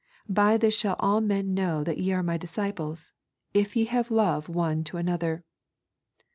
By this shall all men know that ye are My disciples, if ye have love one to another.